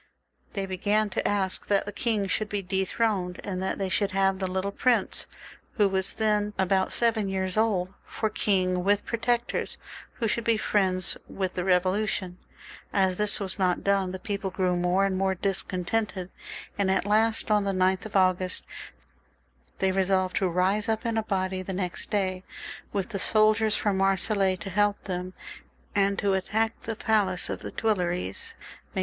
They began to ask that the king should be dethroned, and that they should have the little prince, who was then about seven years old, for king, with protectors, who should be friends of the Bevolution. As this was not done, the people grew more and more discontented, and at last, on the 9th of August, they resolved to rise up in a body the next day, with the soldiers from Marseilles to help them, and to attack the Palace of the Tuileries, make XLVIIL] THE REVOLUTION.